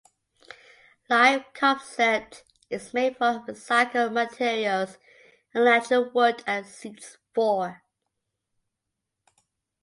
Life concept is made from recycle materials and natural wood and seats four.